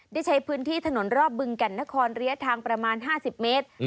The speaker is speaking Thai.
ได้ใช้พื้นที่ถนนรอบบึงแก่นนครระยะทางประมาณ๕๐เมตร